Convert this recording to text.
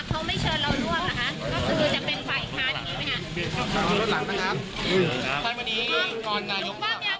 คุณจะไปร่วมเลยใช่ไหมคะท่านวันนี้เงื่อนไขก็เหมือนจะได้แล้วครับ